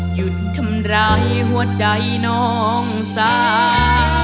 หยุดทำร้ายหัวใจน้องสา